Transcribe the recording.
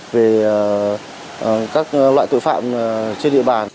về các loại tội phạm trên địa bàn huyện